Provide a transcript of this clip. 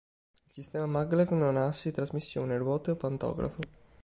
Il sistema maglev non ha assi di trasmissione, ruote o pantografo.